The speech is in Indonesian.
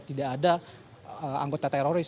tidak ada anggota teroris